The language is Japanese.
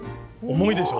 重いでしょ？